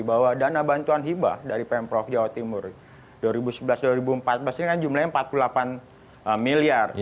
bahwa dana bantuan hibah dari pemprov jawa timur dua ribu sebelas dua ribu empat belas ini kan jumlahnya empat puluh delapan miliar